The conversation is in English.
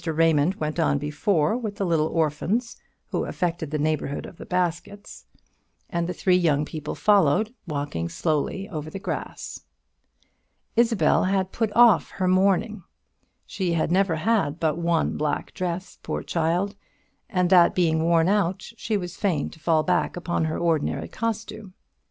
Raymond went on before with the orphans, who affected the neighbourhood of the baskets; and the three young people followed, walking slowly over the grass. Isabel had put off her mourning. She had never had but one black dress, poor child; and that being worn out, she was fain to fall back upon her ordinary costume.